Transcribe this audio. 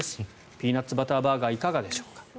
ピーナッツバターバーガーいかがでしょうか。